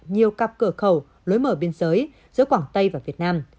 nhiều cặp cửa khẩu lối mở biên giới giữa quảng tây và việt nam